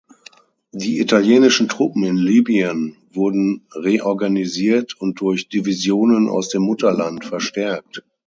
Die italienischen Truppen in Libyen wurden reorganisiert und durch Divisionen aus dem Mutterland verstärkt.